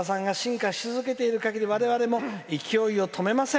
さださんが進化し続けているかぎり我々も勢いを止めません。